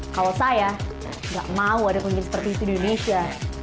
kalau saya nggak mau ada pemimpin seperti itu di indonesia